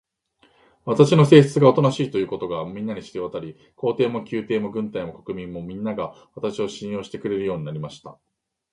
私の性質がおとなしいということが、みんなに知れわたり、皇帝も宮廷も軍隊も国民も、みんなが、私を信用してくれるようになりました。